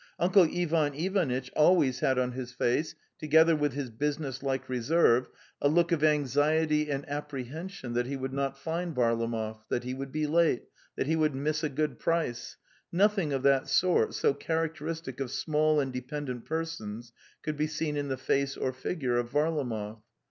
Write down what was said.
Uncle Ivan Ivanitch always had on his face, together with his business like reserve, a look of anxiety and apprehension that he would not find Varlamov, that he would be late, that he would miss a good price; nothing of that sort, so characteristic of small and dependent persons, could be seen in the face or figure of Varlamov.